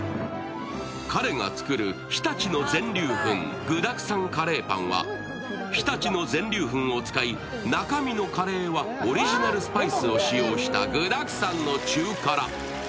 彼が作る常陸の全粒粉具だくさんカレーパンは、常陸の全粒粉を使い、中身のカレーはオリジナルスパイスを使用した具だくさんの中辛。